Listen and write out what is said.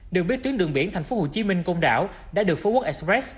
được biết tuyến đường biển tp hcm công đảo đã được phú quốc express